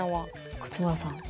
勝村さん。